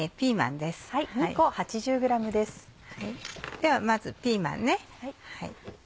ではまずピーマン。